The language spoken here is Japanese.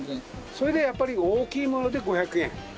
それでやっぱり大きいもので５００円。